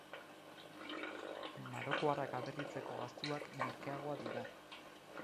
Marokoarrak aberriratzeko gastuak merkeagoak dira.